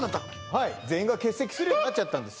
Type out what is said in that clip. はい全員が欠席するようになっちゃったんです